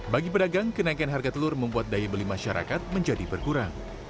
bagi pedagang kenaikan harga telur membuat daya beli masyarakat menjadi berkurang